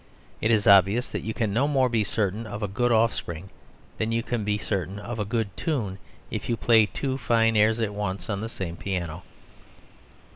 It is obvious that you can no more be certain of a good offspring than you can be certain of a good tune if you play two fine airs at once on the same piano.